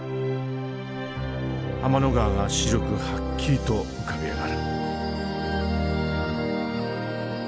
天の川が白くはっきりと浮かび上がる。